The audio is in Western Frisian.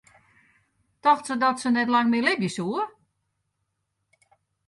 Tocht se dat se net lang mear libje soe?